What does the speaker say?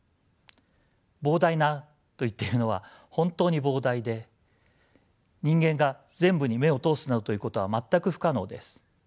膨大なと言っているのは本当に膨大で人間が全部に目を通すなどということは全く不可能です。